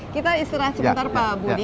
kita istirahat sebentar pak budi